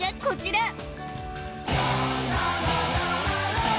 こちら